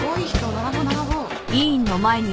並ぼう並ぼう。